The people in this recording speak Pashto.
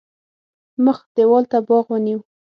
مخ دېوال ته باغ ونیو.